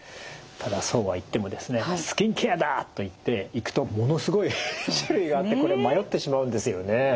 ただそうは言ってもですねスキンケアだといって行くとものすごい種類があってこれ迷ってしまうんですよね。